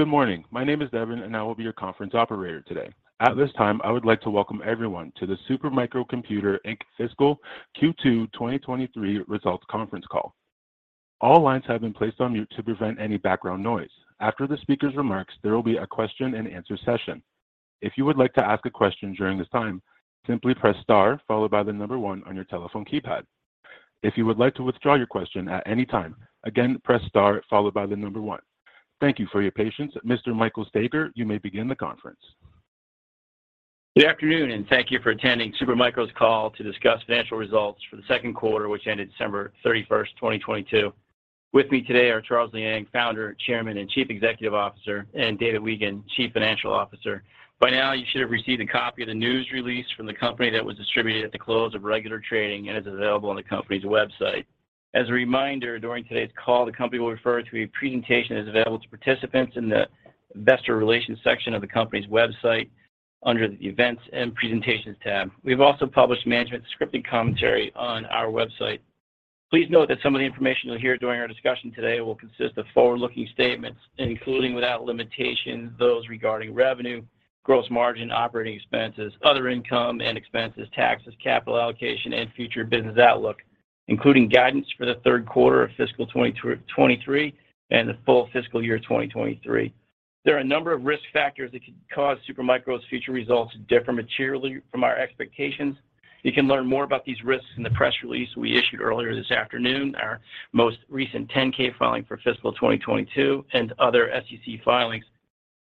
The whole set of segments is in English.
Good morning. My name is Devin, and I will be your conference operator today. At this time, I would like to welcome everyone to the Super Micro Computer Inc. Fiscal Q2 2023 Results Conference Call. All lines have been placed on mute to prevent any background noise. After the speaker's remarks, there will be a question-and-answer session. If you would like to ask a question during this time, simply press star followed by one on your telephone keypad. If you would like to withdraw your question at any time, again, press star followed by one. Thank you for your patience. Mr. Michael Staiger, you may begin the conference. Good afternoon, and thank you for attending Super Micro's call to discuss financial results for the 2nd quarter, which ended December 31st, 2022. With me today are Charles Liang, Founder, Chairman, and Chief Executive Officer, and David Weigand, Chief Financial Officer. By now, you should have received a copy of the news release from the company that was distributed at the close of regular trading and is available on the company's website. As a reminder, during today's call, the company will refer to a presentation that is available to participants in the investor relations section of the company's website under the Events and Presentations tab. We've also published management's scripted commentary on our website. Please note that some of the information you'll hear during our discussion today will consist of forward-looking statements, including, without limitation, those regarding revenue, gross margin, operating expenses, other income and expenses, taxes, capital allocation, and future business outlook, including guidance for the third quarter of fiscal 2023 and the full fiscal year 2023. There are a number of risk factors that could cause Super Micro's future results to differ materially from our expectations. You can learn more about these risks in the press release we issued earlier this afternoon, our most recent 10-K filing for fiscal 2022, and other SEC filings.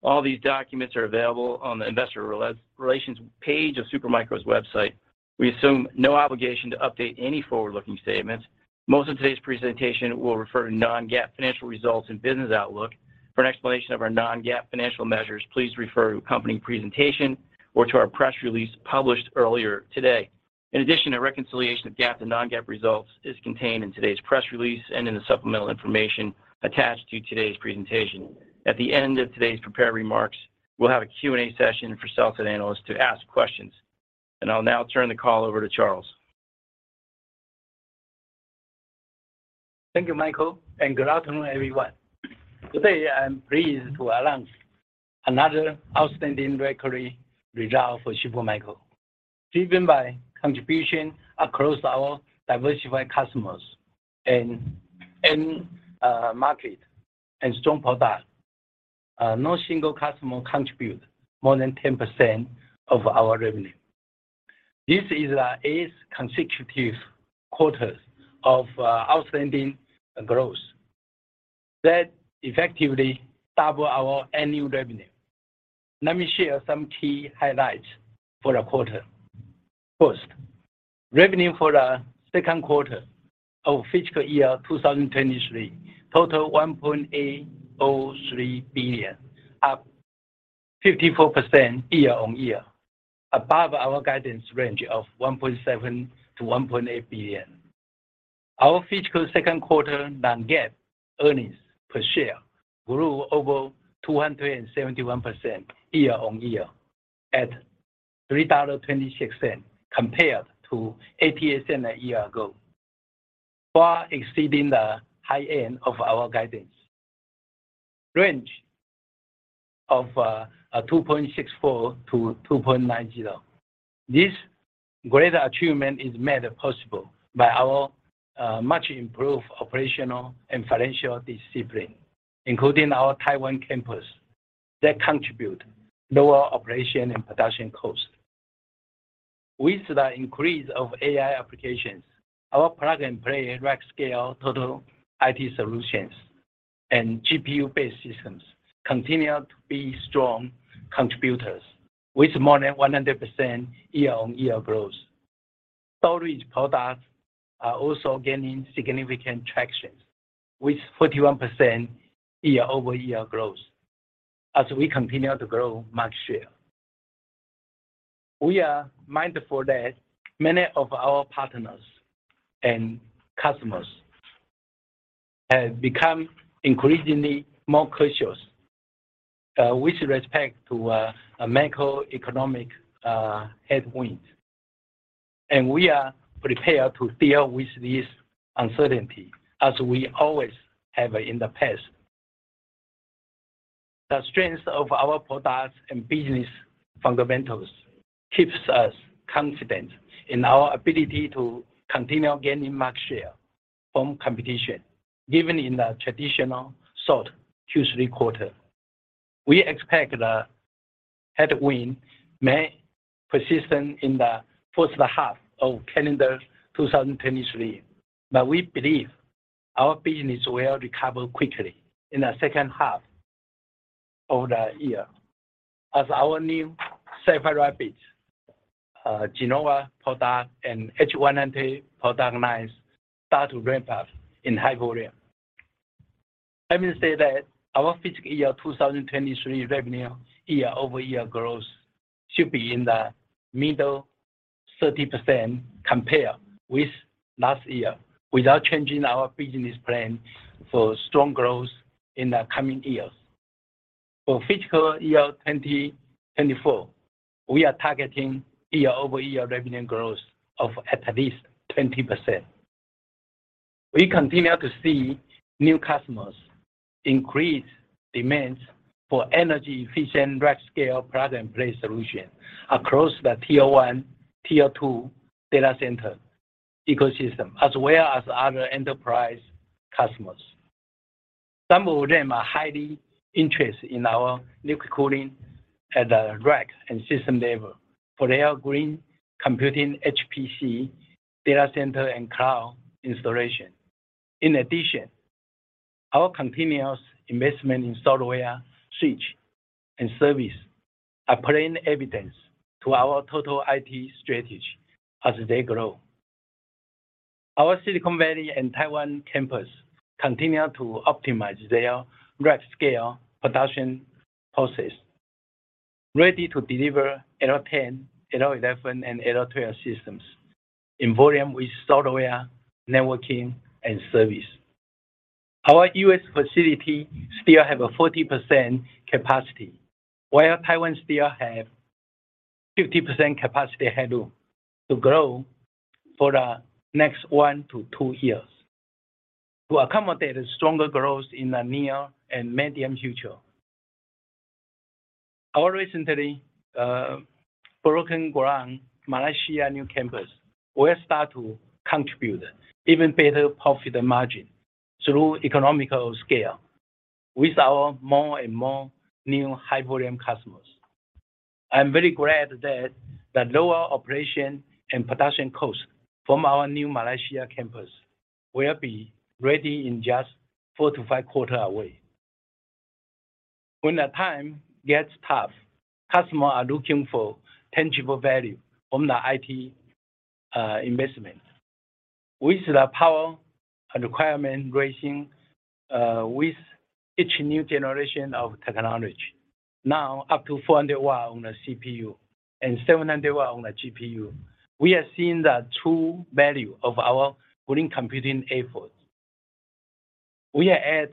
All these documents are available on the investor relations page of Super Micro's website. We assume no obligation to update any forward-looking statements. Most of today's presentation will refer to non-GAAP financial results and business outlook. For an explanation of our non-GAAP financial measures, please refer to accompanying presentation or to our press release published earlier today. In addition, a reconciliation of GAAP to non-GAAP results is contained in today's press release and in the supplemental information attached to today's presentation. At the end of today's prepared remarks, we'll have a Q&A session for sell-side analysts to ask questions, and I'll now turn the call over to Charles. Thank you, Michael. Good afternoon, everyone. Today, I'm pleased to announce another outstanding record result for Super Micro. Driven by contribution across our diversified customers and end market and strong product, no single customer contribute more than 10% of our revenue. This is the eighth consecutive quarter of outstanding growth that effectively double our annual revenue. Let me share some key highlights for the quarter. First, revenue for the second quarter of fiscal year 2023 totaled $1.803 billion, up 54% year-over-year, above our guidance range of $1.7 billion-$1.8 billion. Our fiscal second quarter non-GAAP earnings per share grew over 271% year-on-year at $3.26 compared to $0.18 a year ago, far exceeding the high end of our guidance range of $2.64-$2.90. This great achievement is made possible by our much improved operational and financial discipline, including our Taiwan campus that contribute lower operation and production costs. With the increase of AI applications, our Rack Scale Plug and Play total IT solutions and GPU-based systems continue to be strong contributors with more than 100% year-on-year growth. Storage products are also gaining significant traction with 41% year-over-year growth as we continue to grow market share. We are mindful that many of our partners and customers have become increasingly more cautious, with respect to macroeconomic headwinds, and we are prepared to deal with this uncertainty as we always have in the past. The strength of our products and business fundamentals keeps us confident in our ability to continue gaining market share from competition, even in the traditional slow Q3 quarter. We expect the headwind may persist in the first half of calendar 2023, but we believe our business will recover quickly in the second half of the year as our new Sapphire Rapids, Genoa product, and H100 product lines start to ramp up in high volume. Let me say that our fiscal year 2023 revenue year-over-year growth should be in the middle 30% compared with last year without changing our business plan for strong growth in the coming years. For fiscal year 2024, we are targeting year-over-year revenue growth of at least 20%. We continue to see new customers increase demands for energy efficient, large-scale plug-and-play solution across the tier-1, tier-2 data center ecosystem, as well as other enterprise customers. Some of them are highly interested in our liquid cooling at the rack and system level for their green computing HPC data center and cloud installation. In addition, our continuous investment in software, switch, and service are plain evidence to our total IT strategy as they grow. Our Silicon Valley and Taiwan campus continue to optimize their large-scale production process, ready to deliver L10, L11, and L12 systems in volume with software, networking, and service. Our U.S. facility still have a 40% capacity, while Taiwan still have 50% capacity headroom to grow for the next one to two years to accommodate a stronger growth in the near and medium future. Our recently broken ground Malaysia new campus will start to contribute even better profit margin through economical scale with our more and more new high volume customers. I'm very glad that the lower operation and production costs from our new Malaysia campus will be ready in just four to five quarter away. When the time gets tough, customers are looking for tangible value from the IT investment. With the power requirement raising, with each new generation of technology, now up to 400 W on a CPU and 700 W on a GPU, we are seeing the true value of our green computing efforts. We are at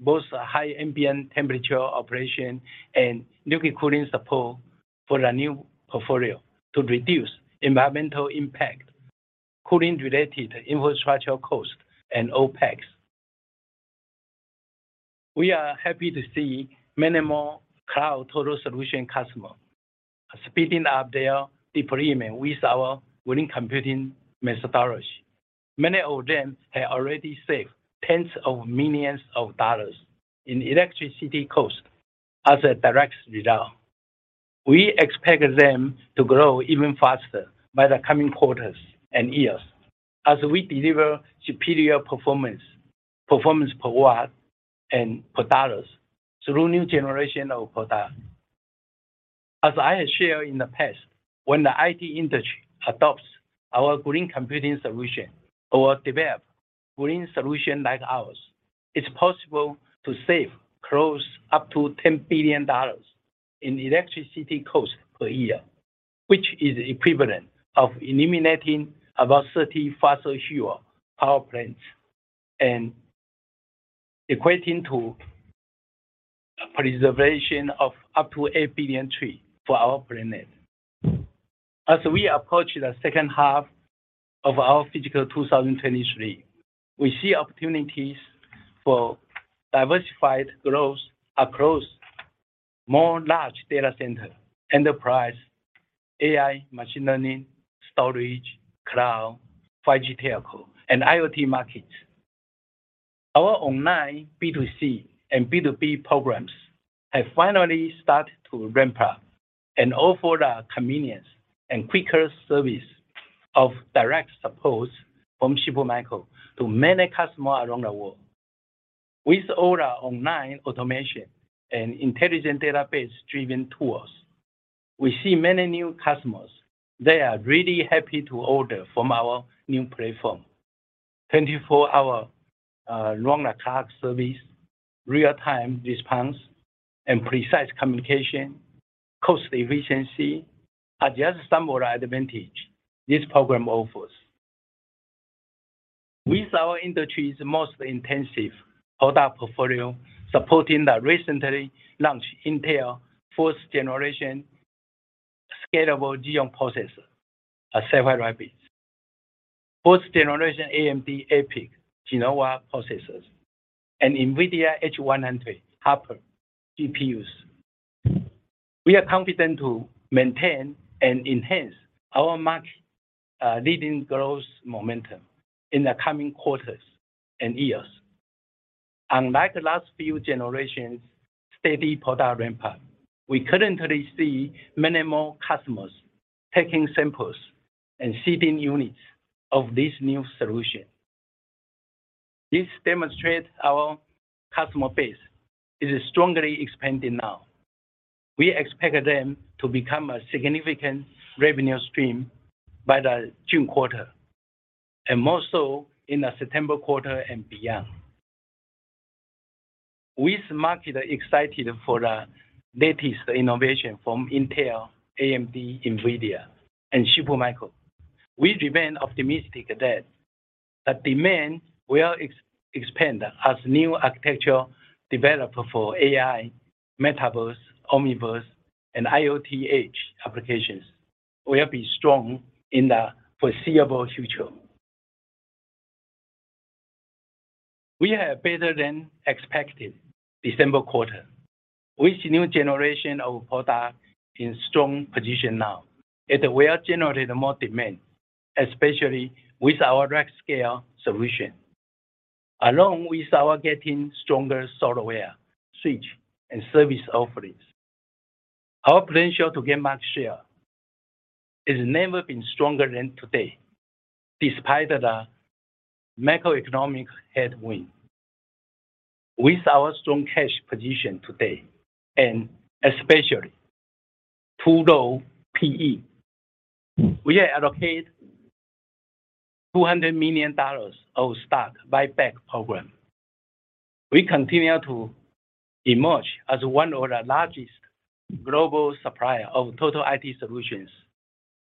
both high ambient temperature operation and liquid cooling support for the new portfolio to reduce environmental impact, cooling related infrastructure cost and OpEx. We are happy to see many more cloud total solution customer speeding up their deployment with our green computing methodology. Many of them have already saved tens of millions of dollars in electricity costs as a direct result. We expect them to grow even faster by the coming quarters and years as we deliver superior performance per watt and per dollars through new generation of product. As I have shared in the past, when the IT industry adopts our green computing solution or develop green solution like ours, it's possible to save close up to $10 billion in electricity costs per year, which is equivalent of eliminating about 30 fossil fuel power plants and equating to preservation of up to eight billion tree for our planet. As we approach the second half of our fiscal 2023, we see opportunities for diversified growth across more large data center, enterprise, AI, machine learning, storage, cloud, 5G/telco, and IoT markets. Our online B2C and B2B programs have finally started to ramp up and offer the convenience and quicker service of direct support from Supermicro to many customers around the world. With all our online automation and intelligent database driven tools, we see many new customers. They are really happy to order from our new platform. 24-hour round-the-clock service, real-time response, and precise communication, cost efficiency are just some of the advantage this program offers. With our industry's most intensive product portfolio supporting the recently launched Intel 4th Generation Scalable Xeon processor, Sapphire Rapids, 4th Generation AMD EPYC Genoa processors, and NVIDIA H100 Hopper GPUs, we are confident to maintain and enhance our market leading growth momentum in the coming quarters and years. Unlike the last few generations' steady product ramp-up, we currently see many more customers taking samples and shipping units of this new solution. This demonstrates our customer base is strongly expanding now. We expect them to become a significant revenue stream by the June quarter, and more so in the September quarter and beyond. With market excited for the latest innovation from Intel, AMD, NVIDIA, and Supermicro, we remain optimistic that the demand will expand as new architecture developed for AI, metaverse, Omniverse, and IoT edge applications will be strong in the foreseeable future. We have better than expected December quarter. With new generation of product in strong position now, it will generate more demand, especially with our Rack Scale solution. Along with our getting stronger software, switch, and service offerings. Our potential to gain market share has never been stronger than today, despite the macroeconomic headwind. With our strong cash position today, and especially low PE, we have allocated $200 million of stock buyback program. We continue to emerge as one of the largest global supplier of total IT solutions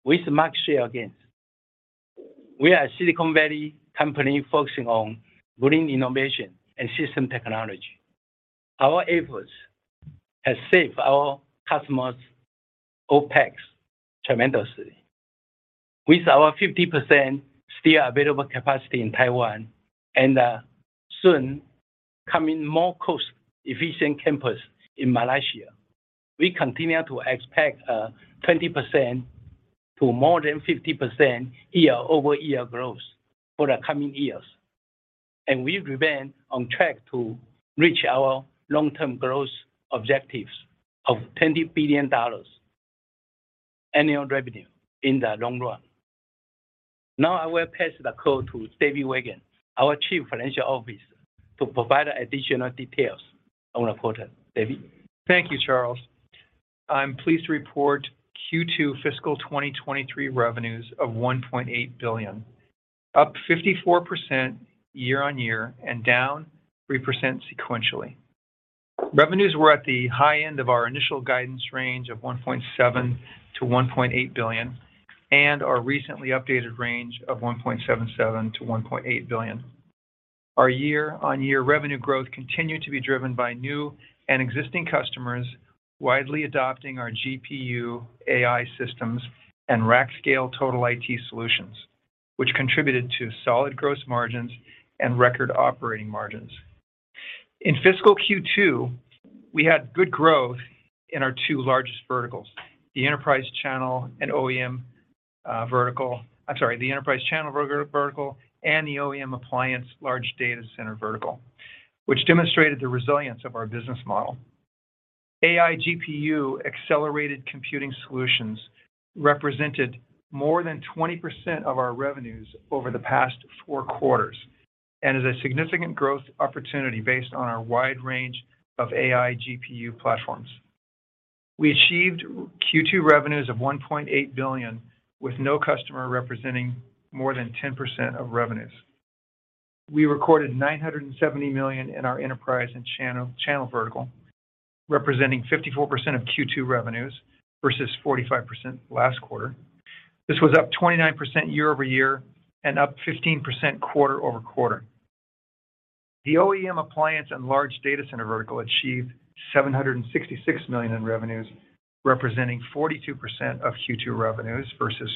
with market share gains. We are a Silicon Valley company focusing on bringing innovation and system technology. Our efforts has saved our customers' OpEx tremendously. With our 50% still available capacity in Taiwan and soon coming more cost efficient campus in Malaysia, we continue to expect 20% to more than 50% year-over-year growth for the coming years. We remain on track to reach our long-term growth objectives of $20 billion annual revenue in the long run. Now I will pass the call to David Weigand, our chief financial officer, to provide additional details on the quarter. David. Thank you, Charles. I'm pleased to report Q2 fiscal 2023 revenues of $1.8 billion, up 54% year-on-year and down 3% sequentially. Revenues were at the high end of our initial guidance range of $1.7 billion-$1.8 billion and our recently updated range of $1.77 billion-$1.8 billion. Our year-on-year revenue growth continued to be driven by new and existing customers widely adopting our GPU AI systems and rack scale total IT solutions, which contributed to solid gross margins and record operating margins. In fiscal Q2, we had good growth in our two largest verticals, the enterprise channel and OEM vertical. I'm sorry, the enterprise channel vertical and the OEM appliance large data center vertical, which demonstrated the resilience of our business model. AI/GPU accelerated computing solutions represented more than 20% of our revenues over the past four quarters and is a significant growth opportunity based on our wide range of AI/GPU platforms. We achieved Q2 revenues of $1.8 billion with no customer representing more than 10% of revenues. We recorded $970 million in our enterprise and channel vertical, representing 54% of Q2 revenues versus 45% last quarter. This was up 29% year-over-year and up 15% quarter-over-quarter. The OEM appliance and large data center vertical achieved $766 million in revenues, representing 42% of Q2 revenues versus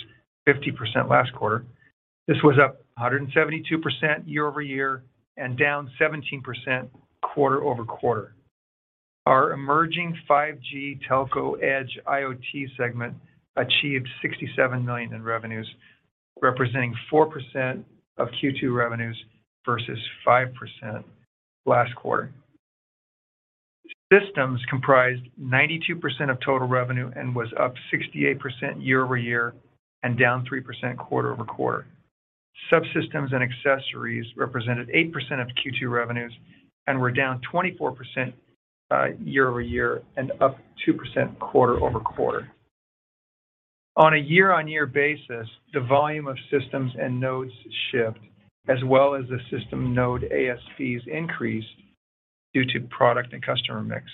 50% last quarter. This was up 172% year-over-year and down 17% quarter-over-quarter. Our emerging 5G/Telco/Edge/IoT segment achieved $67 million in revenues, representing 4% of Q2 revenues versus 5% last quarter. Systems comprised 92% of total revenue and was up 68% year-over-year and down 3% quarter-over-quarter. Subsystems and accessories represented 8% of Q2 revenues and were down 24% year-over-year and up 2% quarter-over-quarter. On a year-on-year basis, the volume of systems and nodes shipped, as well as the system node ASPs increased due to product and customer mix.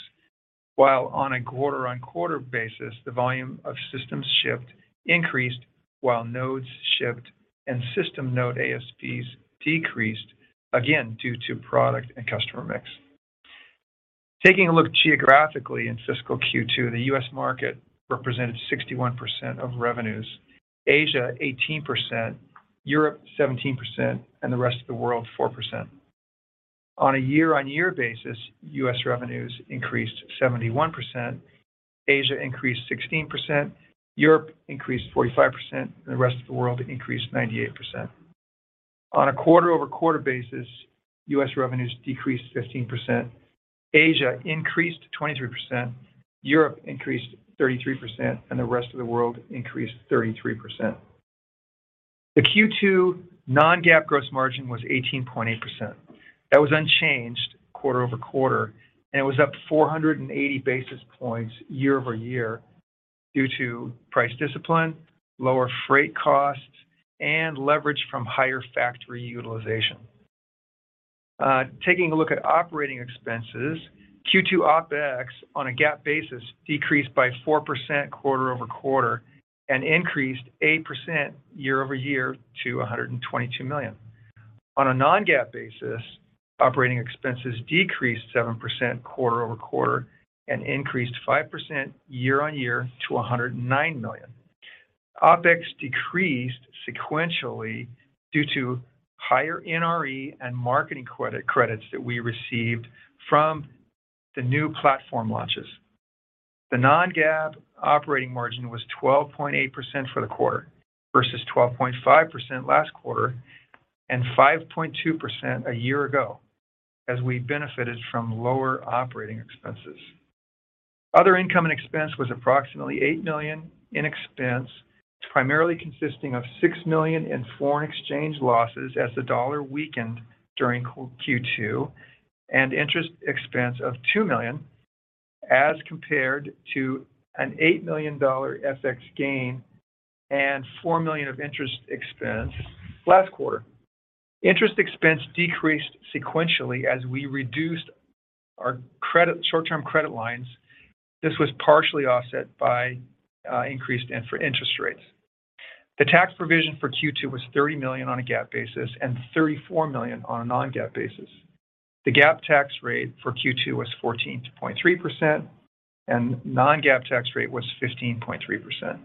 While on a quarter-on-quarter basis, the volume of systems shipped increased while nodes shipped and system node ASPs decreased, again, due to product and customer mix. Taking a look geographically in fiscal Q2, the U.S. market represented 61% of revenues, Asia 18%, Europe 17%, and the rest of the world 4%. On a year-on-year basis, U.S. revenues increased 71%, Asia increased 16%, Europe increased 45%, and the rest of the world increased 98%. On a quarter-over-quarter basis, U.S. revenues decreased 15%, Asia increased 23%, Europe increased 33%, and the rest of the world increased 33%. The Q2 non-GAAP gross margin was 18.8%. That was unchanged quarter-over-quarter, and it was up 480 basis points year-over-year due to price discipline, lower freight costs, and leverage from higher factory utilization. Taking a look at operating expenses, Q2 OpEx on a GAAP basis decreased by 4% quarter-over-quarter and increased 8% year-over-year to $122 million. On a non-GAAP basis, operating expenses decreased 7% quarter-over-quarter and increased 5% year-on-year to $109 million. OpEx decreased sequentially due to higher NRE and marketing credits that we received from the new platform launches. The non-GAAP operating margin was 12.8% for the quarter versus 12.5% last quarter and 5.2% a year ago, as we benefited from lower operating expenses. Other income and expense was approximately $8 million in expense, primarily consisting of $6 million in foreign exchange losses as the dollar weakened during Q2 and interest expense of $2 million as compared to an $8 million FX gain and $4 million of interest expense last quarter. Interest expense decreased sequentially as we reduced our short-term credit lines. This was partially offset by increased for interest rates. The tax provision for Q2 was $30 million on a GAAP basis and $34 million on a non-GAAP basis. The GAAP tax rate for Q2 was 14.3% and non-GAAP tax rate was 15.3%.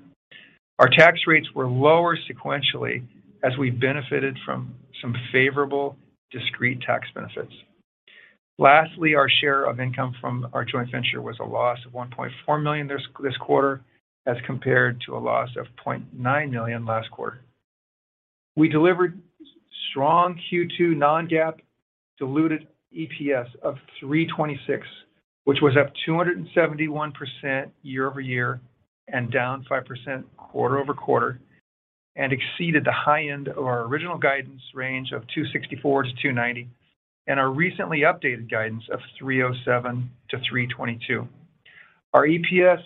Our tax rates were lower sequentially as we benefited from some favorable discrete tax benefits. Lastly, our share of income from our joint venture was a loss of $1.4 million this quarter as compared to a loss of $0.9 million last quarter. We delivered strong Q2 non-GAAP diluted EPS of $3.26, which was up 271% year-over-year and down 5% quarter-over-quarter and exceeded the high end of our original guidance range of $2.64-$2.90 and our recently updated guidance of $3.07-$3.22. Our EPS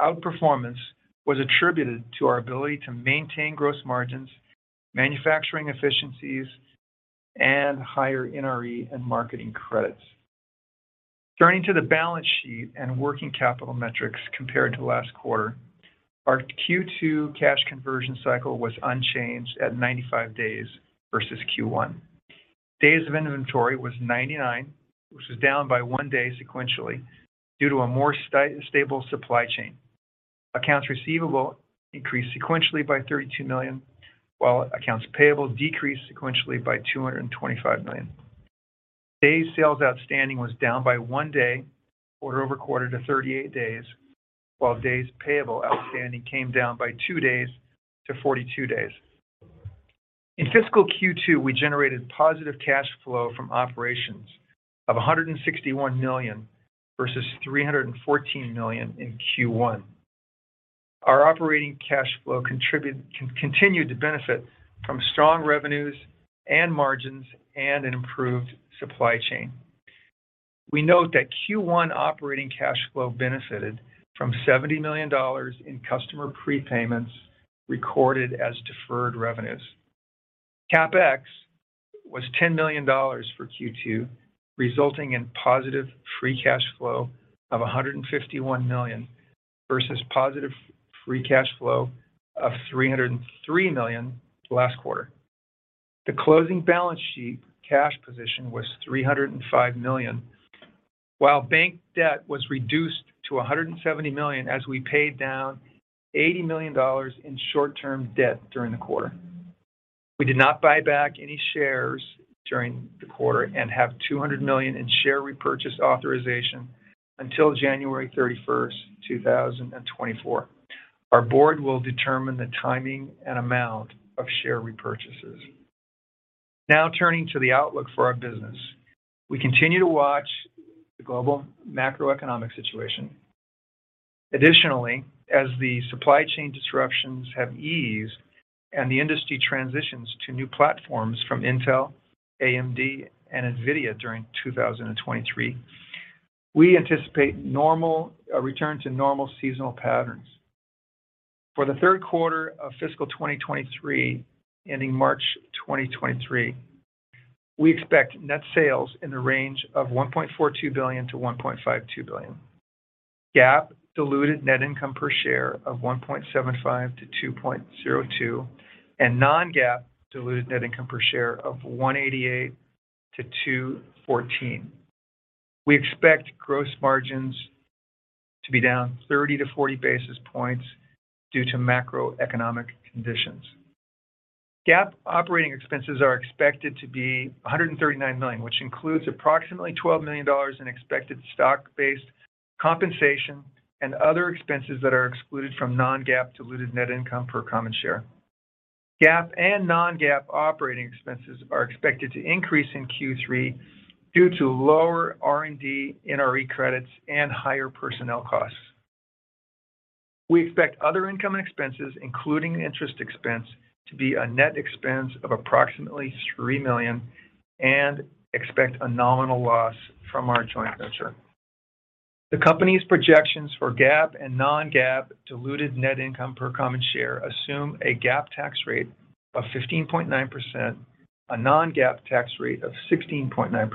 outperformance was attributed to our ability to maintain gross margins, manufacturing efficiencies, and higher NRE and marketing credits. Turning to the balance sheet and working capital metrics compared to last quarter, our Q2 cash conversion cycle was unchanged at 95 days versus Q1. Days of inventory was 99, which was down by 1 day sequentially due to a more stable supply chain. Accounts receivable increased sequentially by $32 million, while accounts payable decreased sequentially by $225 million. Days sales outstanding was down by one day quarter-over-quarter to 38 days, while days payable outstanding came down by two days to 42 days. In fiscal Q2, we generated positive cash flow from operations of $161 million versus $314 million in Q1. Our operating cash flow continued to benefit from strong revenues and margins and an improved supply chain. We note that Q1 operating cash flow benefited from $70 million in customer prepayments recorded as deferred revenues. CapEx was $10 million for Q2, resulting in positive free cash flow of $151 million versus positive free cash flow of $303 million last quarter. The closing balance sheet cash position was $305 million, while bank debt was reduced to $170 million as we paid down $80 million in short-term debt during the quarter. We did not buy back any shares during the quarter and have $200 million in share repurchase authorization until January 31st, 2024. Our board will determine the timing and amount of share repurchases. Turning to the outlook for our business. We continue to watch the global macroeconomic situation. As the supply chain disruptions have eased and the industry transitions to new platforms from Intel, AMD, and NVIDIA during 2023. We anticipate normal... a return to normal seasonal patterns. For the third quarter of fiscal 2023, ending March 2023, we expect net sales in the range of $1.42 billion-$1.52 billion. GAAP diluted net income per share of $1.75-$2.02, and non-GAAP diluted net income per share of $1.88-$2.14. We expect gross margins to be down 30-40 basis points due to macroeconomic conditions. GAAP operating expenses are expected to be $139 million, which includes approximately $12 million in expected stock-based compensation and other expenses that are excluded from non-GAAP diluted net income per common share. GAAP and non-GAAP operating expenses are expected to increase in Q3 due to lower R&D, NRE credits, and higher personnel costs. We expect other income and expenses, including interest expense, to be a net expense of approximately $3 million and expect a nominal loss from our joint venture. The company's projections for GAAP and non-GAAP diluted net income per common share assume a GAAP tax rate of 15.9%, a non-GAAP tax rate of 16.9%,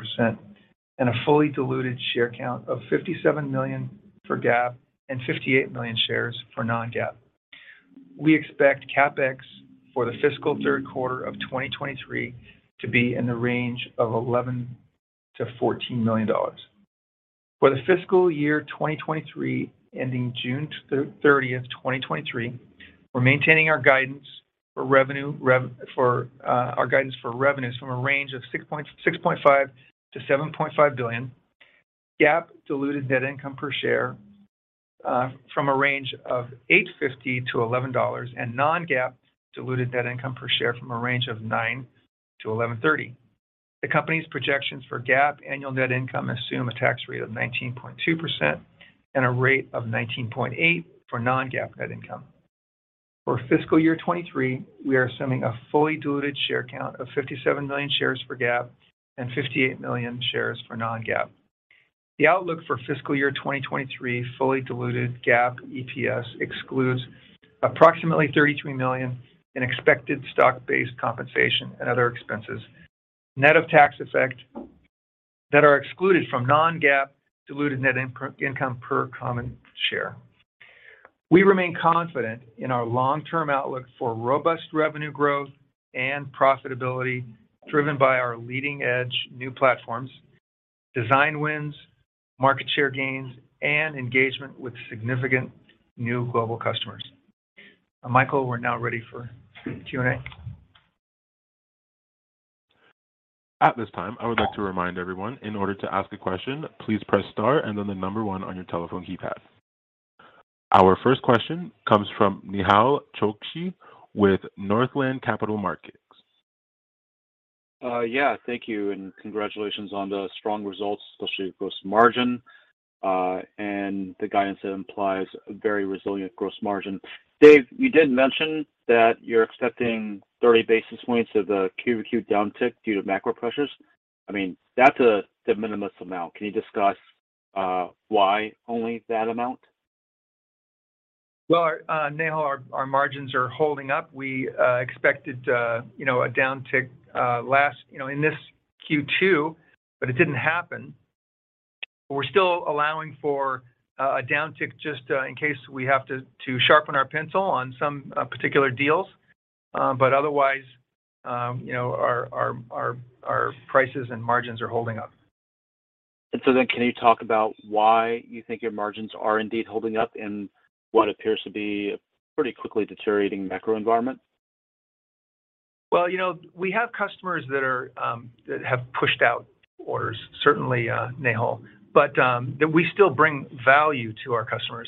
and a fully diluted share count of 57 million for GAAP and 58 million shares for non-GAAP. We expect CapEx for the fiscal third quarter of 2023 to be in the range of $11 million-$14 million. For the fiscal year 2023, ending June 30, 2023, we're maintaining our guidance for revenues from a range of $6.5 billion-$7.5 billion, GAAP diluted net income per share from a range of $8.50-$11.00, and non-GAAP diluted net income per share from a range of $9.00-$11.30. The company's projections for GAAP annual net income assume a tax rate of 19.2% and a rate of 19.8% for non-GAAP net income. For fiscal year 2023, we are assuming a fully diluted share count of 57 million shares for GAAP and 58 million shares for non-GAAP. The outlook for fiscal year 2023 fully diluted GAAP EPS excludes approximately $33 million in expected stock-based compensation and other expenses, net of tax effect, that are excluded from non-GAAP diluted net income per common share. We remain confident in our long-term outlook for robust revenue growth and profitability, driven by our leading-edge new platforms, design wins, market share gains, and engagement with significant new global customers. Michael, we're now ready for Q&A. At this time, I would like to remind everyone, in order to ask a question, please press star and then the number one on your telephone keypad. Our first question comes from Nehal Chokshi with Northland Capital Markets. Yeah. Thank you, and congratulations on the strong results, especially gross margin, and the guidance that implies a very resilient gross margin. Dave, you did mention that you're expecting 30 basis points of the quarter-over-quarter downtick due to macro pressures. I mean, that's a de minimis amount. Can you discuss why only that amount? Nehal, our margins are holding up. We expected, you know, a downtick, last, you know, in this Q2, but it didn't happen. We're still allowing for a downtick just in case we have to sharpen our pencil on some particular deals. Otherwise, you know, our prices and margins are holding up. Can you talk about why you think your margins are indeed holding up in what appears to be a pretty quickly deteriorating macro environment? Well, you know, we have customers that are, that have pushed out orders, certainly, Nehal, but, that we still bring value to our customers,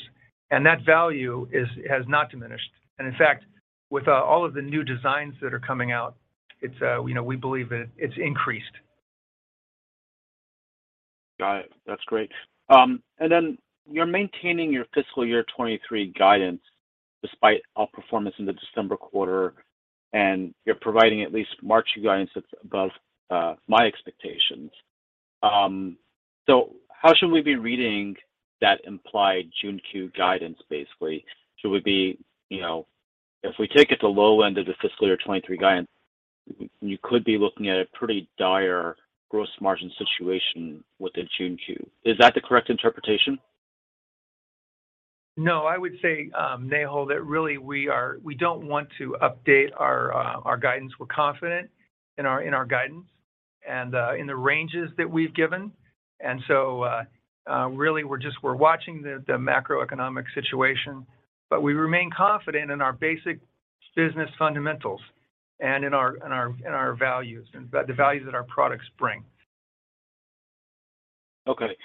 and that value is, has not diminished. In fact, with, all of the new designs that are coming out, it's, you know, we believe it's increased. Got it. That's great. Then you're maintaining your fiscal year 2023 guidance despite outperformance in the December quarter, and you're providing at least March guidance that's above my expectations. How should we be reading that implied June quarter guidance, basically? Should we be, you know, if we take it to low end of the fiscal year 2023 guidance, you could be looking at a pretty dire gross margin situation within June quarter. Is that the correct interpretation? No, I would say, Nehal, that really we don't want to update our guidance. We're confident in our guidance and in the ranges that we've given. Really, we're just, we're watching the macroeconomic situation, but we remain confident in our basic business fundamentals and in our values and the values that our products bring. Okay.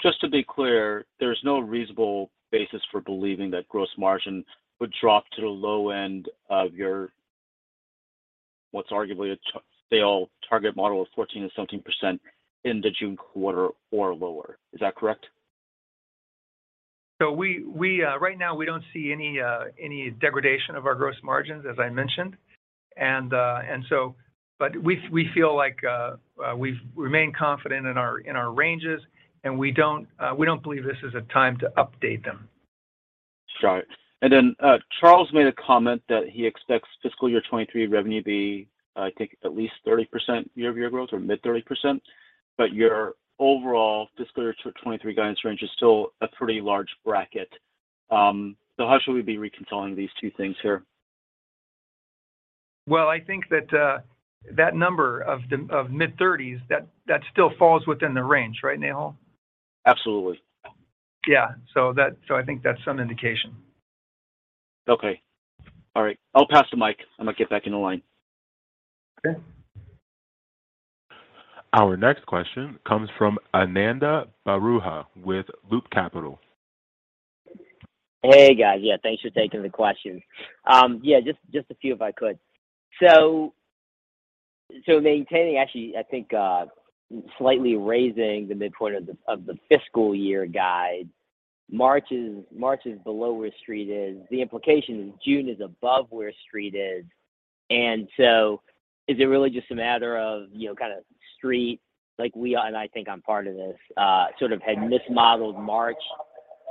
Just to be clear, there's no reasonable basis for believing that gross margin would drop to the low end of your what's arguably a failed target model of 14 and something percent in the June quarter or lower. Is that correct? We right now, we don't see any degradation of our gross margins, as I mentioned. We feel like we remain confident in our ranges, and we don't believe this is a time to update them. Got it. Then Charles made a comment that he expects fiscal year 2023 revenue to be, I think, at least 30% year-over-year growth or mid-30%, but your overall fiscal year 2023 guidance range is still a pretty large bracket. How should we be reconciling these two things here? Well, I think that number of the, of mid-30s, that still falls within the range, right, Nehal? Absolutely. Yeah. That, so I think that's some indication. Okay. All right. I'll pass the mic. I'm gonna get back into line. Okay. Our next question comes from Ananda Baruah with Loop Capital. Hey, guys. Yeah, thanks for taking the questions. Yeah, just a few if I could. Maintaining, actually, I think, slightly raising the midpoint of the fiscal year guide, March is below where Street is. The implication is June is above where Street is. Is it really just a matter of, you know, kinda Street like we are, and I think I'm part of this, sort of had mismodeled March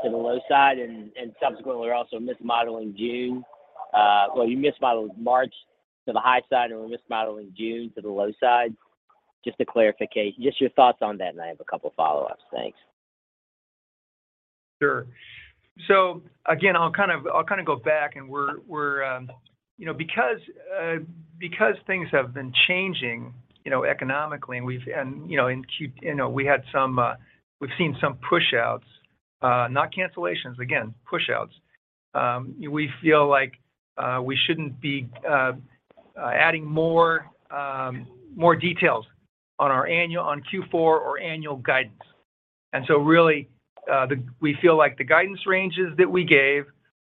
to the low side and subsequently are also mismodeling June? Well, you mismodeled March to the high side, and we're mismodeling June to the low side? Just to clarification. Just your thoughts on that, and I have a couple follow-ups. Thanks. Sure. Again, I'll kind of go back and we're, you know, because things have been changing, you know, economically, and we've. You know, we had some, we've seen some push-outs, not cancellations, again, pushouts. We feel like we shouldn't be adding more details on our Q4 or annual guidance. Really, we feel like the guidance ranges that we gave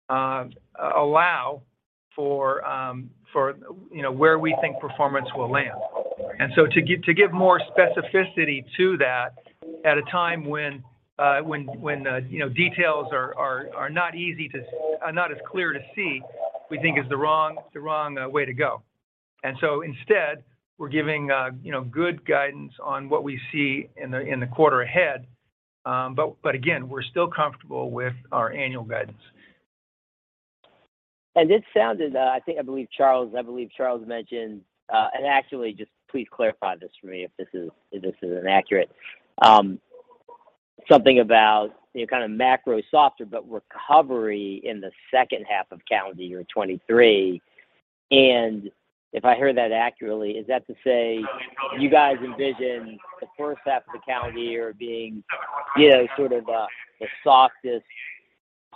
allow for, you know, where we think performance will land. To give more specificity to that at a time when, you know, details are not easy to, are not as clear to see, we think is the wrong way to go. Instead, we're giving, you know, good guidance on what we see in the, in the quarter ahead. Again, we're still comfortable with our annual guidance. This sounded, I think I believe Charles, I believe Charles mentioned, and actually just please clarify this for me if this is, if this is inaccurate. Something about, you know, kind of macro softer, but recovery in the second half of calendar year 2023. If I heard that accurately, is that to say you guys envision the first half of the calendar year being, you know, sort of, the softest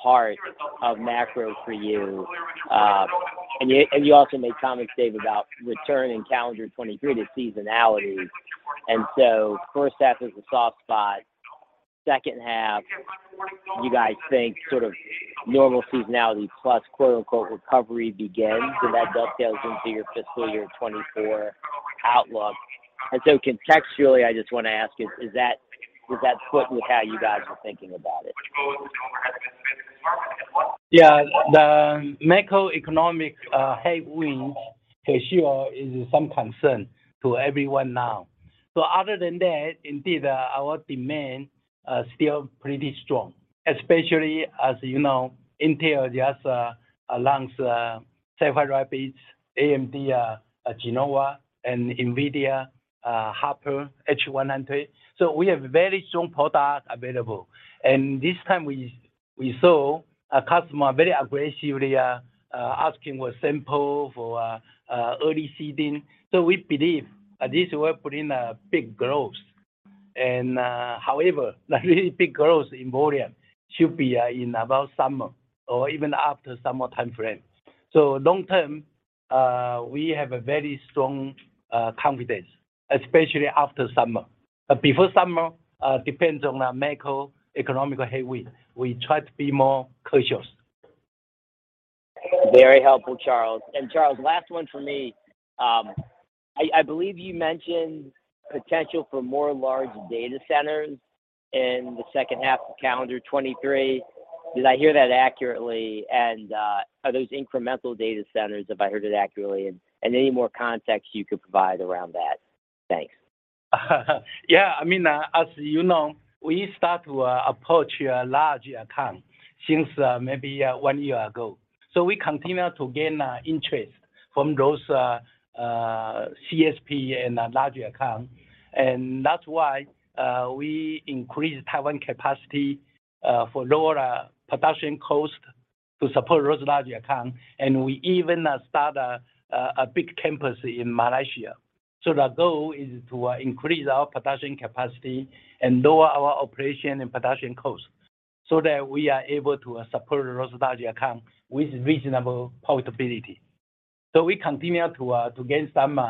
part of macro for you? You, and you also made comments, Dave, about return in calendar 2023 to seasonality. First half is the soft spot. Second half, you guys think sort of normal seasonality plus, quote-unquote, recovery begins, and that dovetails into your fiscal year 2024 outlook. Contextually, I just wanna ask, is that, is that foot with how you guys are thinking about it? Yeah. The macroeconomic headwinds for sure is some concern to everyone now. Other than that, indeed, our demand are still pretty strong, especially as you know, Intel just announced Sapphire Rapids, AMD Genoa, and NVIDIA Hopper H100. We have very strong product available. This time we saw a customer very aggressively asking for sample, for early seeding. We believe that this will bring a big growth. However, the really big growth in volume should be in about summer or even after summer timeframe. Long term, we have a very strong confidence, especially after summer. Before summer, depends on the macroeconomic headwind. We try to be more cautious. Very helpful, Charles. Charles, last one for me. I believe you mentioned potential for more large data centers in the second half of calendar 2023. Did I hear that accurately? Are those incremental data centers, if I heard it accurately, and any more context you could provide around that? Thanks. Yeah. I mean, as you know, we start to approach a large account since maybe one year ago. We continue to gain interest from those CSP and large account. That's why we increased Taiwan capacity for lower production cost to support those large account. We even start a big campus in Malaysia. The goal is to increase our production capacity and lower our operation and production cost so that we are able to support those large account with reasonable profitability. We continue to gain some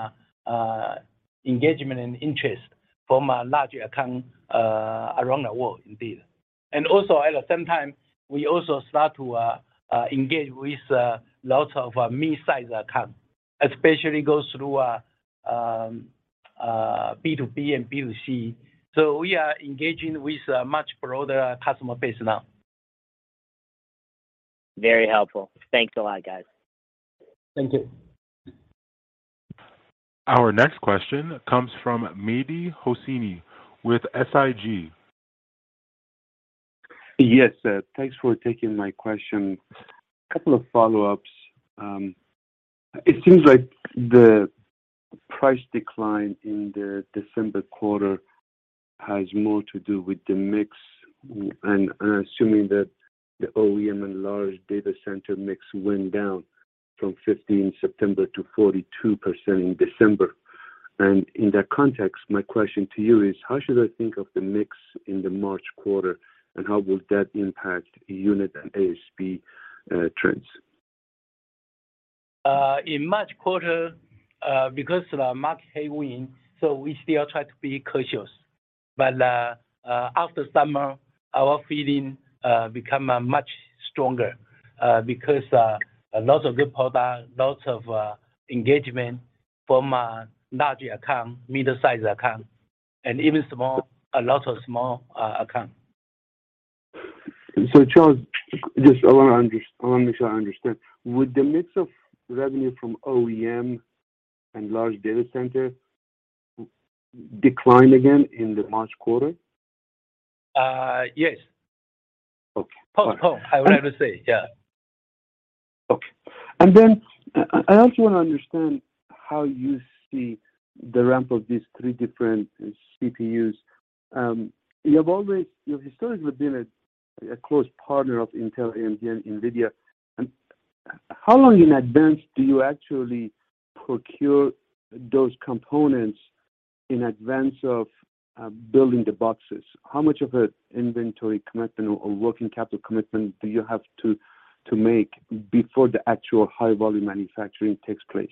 engagement and interest from large account around the world indeed. Also at the same time, we also start to engage with lots of mid-size account, especially goes through B2B and B2C. We are engaging with a much broader customer base now. Very helpful. Thanks a lot, guys. Thank you. Our next question comes from Mehdi Hosseini with SIG. Yes. Thanks for taking my question. Couple of follow-ups. It seems like the price decline in the December quarter has more to do with the mix and assuming that the OEM and large data center mix went down from 15th September to 42% in December. In that context, my question to you is: How should I think of the mix in the March quarter, and how will that impact unit and ASP trends? In March quarter, because of the market headwind, we still try to be cautious. After summer, our feeling become much stronger, because a lot of good product, lots of engagement from large account, middle-sized account, and even small, a lot of small account. Charles, just I wanna make sure I understand. Would the mix of revenue from OEM and large data center decline again in the March quarter? Yes. Okay. Probably. I would ever say, yeah. I also want to understand how you see the ramp of these three different CPUs. you've historically been a close partner of Intel and NVIDIA. How long in advance do you actually procure those components in advance of building the boxes? How much of an inventory commitment or working capital commitment do you have to make before the actual high-volume manufacturing takes place?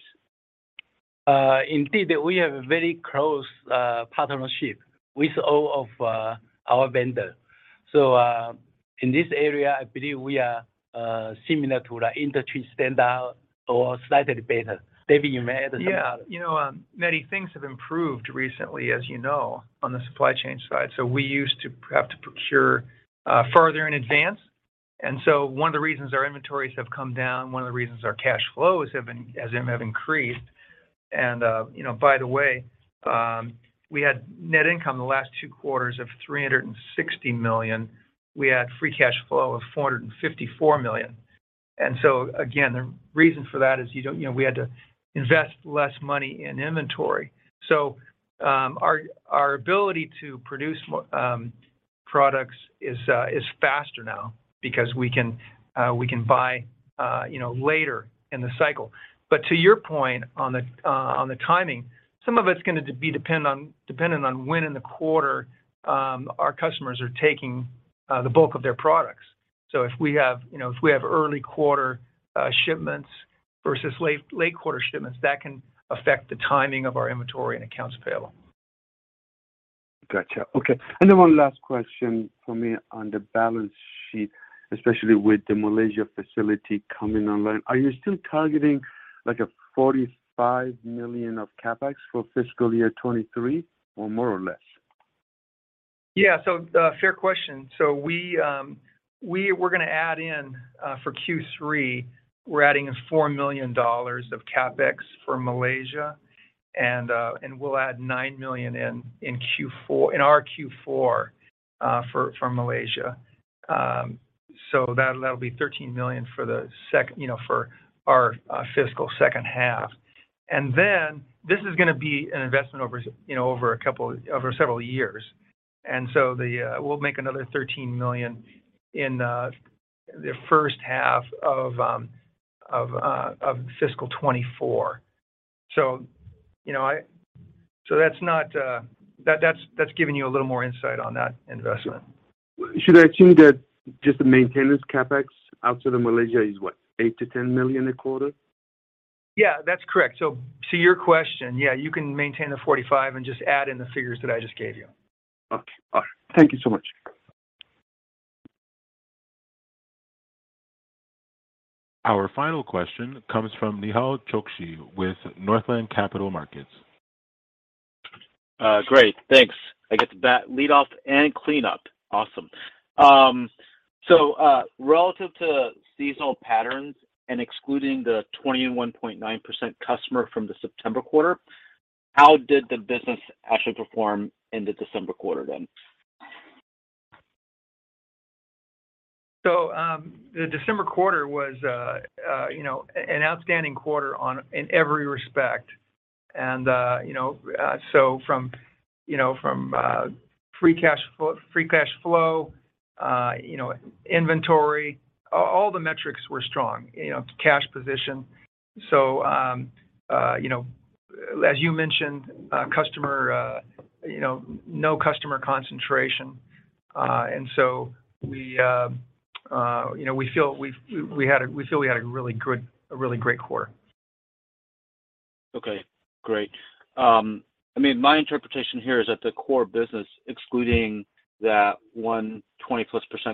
Indeed we have a very close partnership with all of our vendor. In this area, I believe we are similar to the industry standard or slightly better. David, you may add something about it. Yeah. You know, many things have improved recently, as you know, on the supply chain side. We used to have to procure further in advance. One of the reasons our inventories have come down, one of the reasons our cash flows have increased and, you know, by the way, we had net income the last two quarters of $360 million. We had free cash flow of $454 million. Again, the reason for that is you know, we had to invest less money in inventory. Our ability to produce more products is faster now because we can buy, you know, later in the cycle. To your point on the, on the timing, some of it's gonna dependent on when in the quarter, our customers are taking, the bulk of their products. If we have, you know, if we have early quarter, shipments versus late quarter shipments, that can affect the timing of our inventory and accounts payable. Gotcha. Okay. Then one last question from me on the balance sheet, especially with the Malaysia facility coming online. Are you still targeting like a $45 million of CapEx for fiscal year 2023 or more or less? Yeah. Fair question. We're gonna add in for Q3, we're adding in $4 million of CapEx for Malaysia and we'll add $9 million in our Q4 for Malaysia. That'll be $13 million for the you know, for our fiscal second half. This is gonna be an investment over, you know, over several years. The we'll make another $13 million in the first half of of fiscal 2024. You know, that's not that's giving you a little more insight on that investment. Should I assume that just the maintenance CapEx after the Malaysia is what, $8 million-$10 million a quarter? Yeah, that's correct. To your question, yeah, you can maintain the 45 and just add in the figures that I just gave you. Okay. All right. Thank you so much. Our final question comes from Nehal Chokshi with Northland Capital Markets. Great. Thanks. I get to bat lead off and clean up. Awesome. Relative to seasonal patterns and excluding the 21.9% customer from the September quarter, how did the business actually perform in the December quarter then? The December quarter was, you know, an outstanding quarter on, in every respect. From, you know, from, free cash flow, you know, inventory, all the metrics were strong, you know, cash position. You know, as you mentioned, customer, you know, no customer concentration. We, you know, we feel we had a really good, a really great quarter. Okay, great. I mean, my interpretation here is that the core business, excluding that 120+%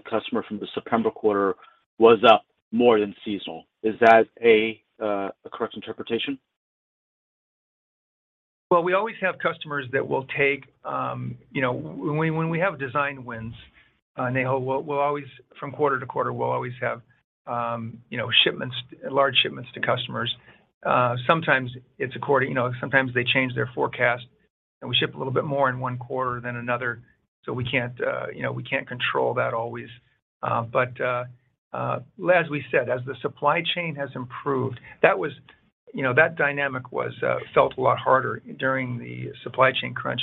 customer from the September quarter, was up more than seasonal. Is that a correct interpretation? Well, we always have customers that will take, you know, when we have design wins, Nehal, we'll always from quarter to quarter, we'll always have, you know, shipments, large shipments to customers. Sometimes it's according, you know, sometimes they change their forecast, and we ship a little bit more in one quarter than another. We can't, you know, we can't control that always. As we said, as the supply chain has improved, that was, you know, that dynamic was felt a lot harder during the supply chain crunch.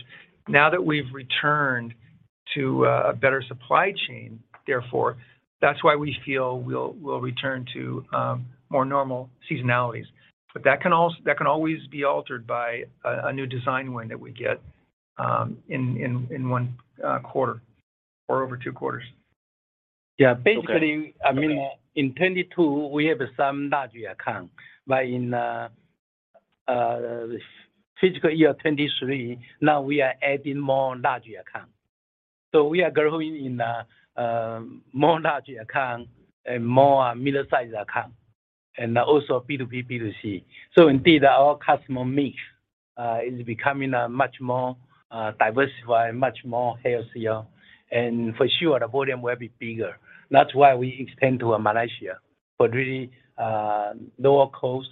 Now that we've returned to a better supply chain, therefore, that's why we feel we'll return to more normal seasonalities. That can always be altered by a new design win that we get, in one quarter or over two quarters. Yeah. Okay. I mean, in 2022 we have some large account, but in this fiscal year 2023, now we are adding more larger account. We are growing in more larger account and more middle-sized account and also B2B, B2C. Indeed our customer mix is becoming much more diversified, much more healthier, and for sure the volume will be bigger. That's why we expand to Malaysia for really lower cost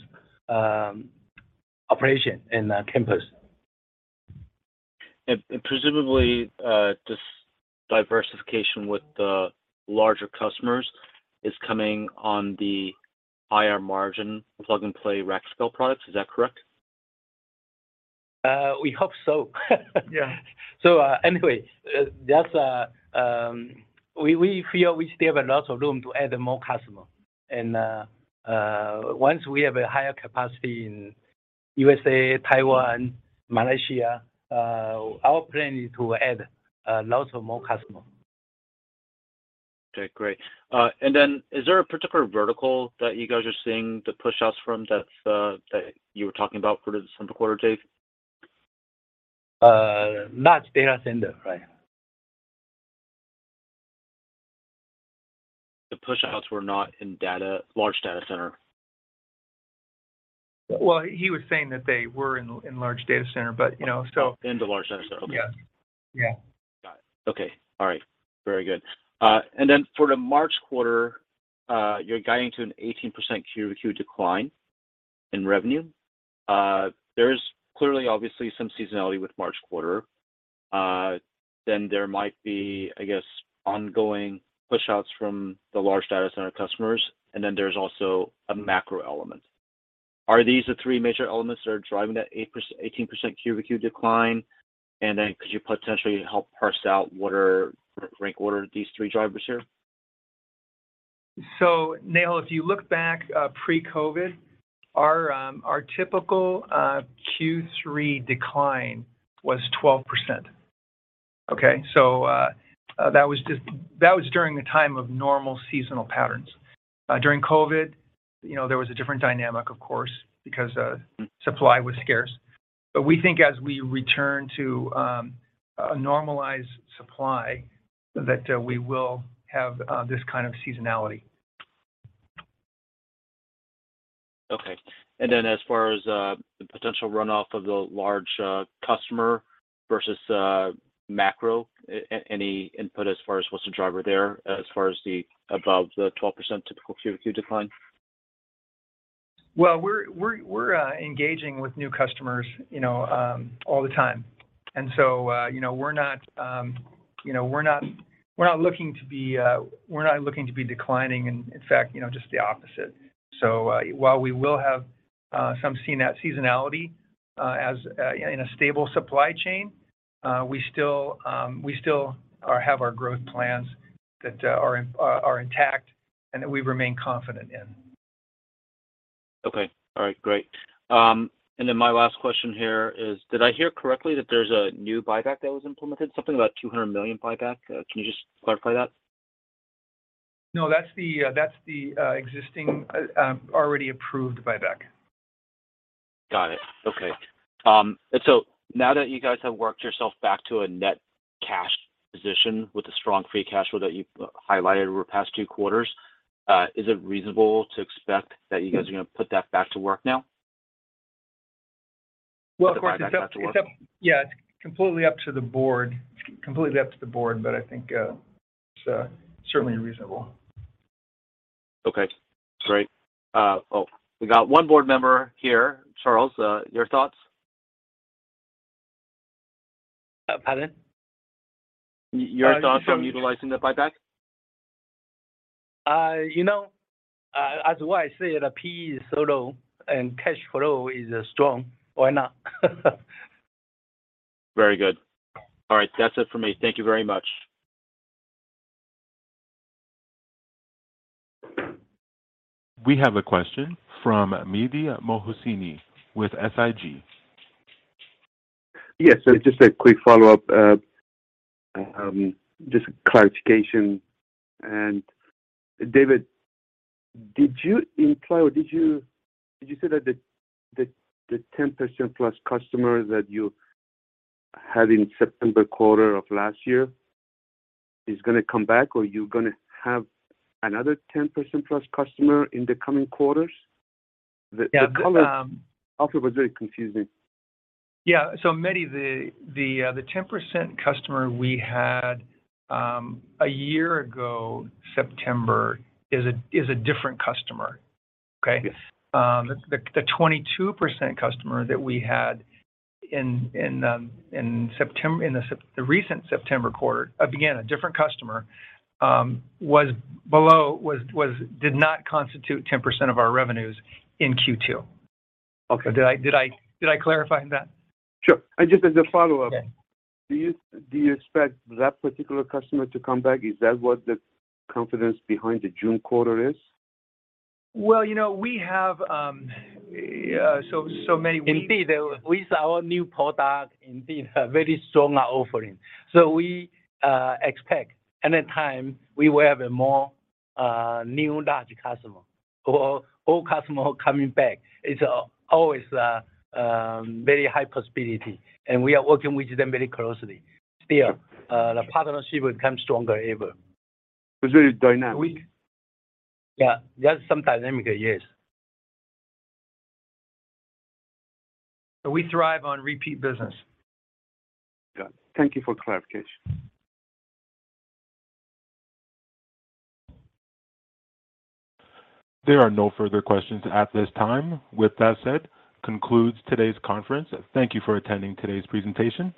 operation in the campus. And presumably, this diversification with the larger customers is coming on the higher margin plug-and-play rack scale products. Is that correct? We hope so. Yeah. Anyway, that's. We feel we still have lots of room to add more customer. Once we have a higher capacity in USA, Taiwan, Malaysia, our plan is to add lots of more customer. Okay. Great. Is there a particular vertical that you guys are seeing the pushouts from that you were talking about for the September quarter, Dave? Large data center, right. The pushouts were not in large data center. He was saying that they were in large data center, but, you know. In the large data center. Okay. Yeah. Yeah. Got it. Okay. All right. Very good. For the March quarter, you're guiding to an 18% QOQ decline in revenue. There is clearly obviously some seasonality with March quarter. Then there might be, I guess, ongoing pushouts from the large data center customers, and then there's also a macro element. Are these the three major elements that are driving that 18% QoQ decline? Could you potentially help parse out what rank order these three drivers here? Nehal, if you look back, pre-COVID, our typical Q3 decline was 12%. Okay? That was during the time of normal seasonal patterns. During COVID, you know, there was a different dynamic of course, because supply was scarce. We think as we return to a normalized supply that we will have this kind of seasonality. Okay. Then as far as the potential runoff of the large customer versus macro, any input as far as what's the driver there as far as the above the 12% typical QoQ decline? Well, we're engaging with new customers, you know, all the time. You know, we're not looking to be declining, in fact, you know, just the opposite. While we will have some seasonality, as in a stable supply chain, we still have our growth plans that are intact and that we remain confident in. Okay. All right. Great. My last question here is, did I hear correctly that there's a new buyback that was implemented? Something about $200 million buyback. Can you just clarify that? No, that's the, that's the existing, already approved buyback. Got it. Okay. Now that you guys have worked yourself back to a net cash position with a strong free cash flow that you've highlighted over the past two quarters, is it reasonable to expect that you guys are gonna put that back to work now? Well, of course, it's up to. The buyback back to work. Yeah, it's completely up to the board. It's completely up to the board, but I think it's certainly reasonable. Okay. Great. Oh, we got one board member here. Charles, your thoughts? Pardon? Your thoughts on utilizing the buyback? You know, as what I said, PE is so low and cash flow is strong. Why not? Very good. All right. That's it for me. Thank you very much. We have a question from Mehdi Hosseini with SIG. Yes. Just a quick follow-up, just clarification. David, did you imply or did you say that the 10% plus customer that you had in September quarter of last year is gonna come back, or you're gonna have another 10% plus customer in the coming quarters? The color. Yeah. Also was very confusing. Yeah. Mehdi, the 10% customer we had, a year ago, September, is a, is a different customer. Okay? Yes. the 22% customer that we had in September, in the recent September quarter, again, a different customer, did not constitute 10% of our revenues in Q2. Okay. Did I clarify that? Sure. just as a follow-up. Yeah. Do you expect that particular customer to come back? Is that what the confidence behind the June quarter is? Well, you know, we have, so. Indeed, with our new product, indeed, a very strong offering. We expect any time we will have a more new large customer or old customer coming back. It's always very high possibility, and we are working with them very closely. Still, the partnership become stronger ever. It's very dynamic. Yeah. There's some dynamic, yes. We thrive on repeat business. Got it. Thank you for clarification. There are no further questions at this time. With that said, concludes today's conference. Thank you for attending today's presentation.